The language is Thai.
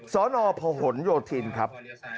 สอนอพะหนโยทินครับ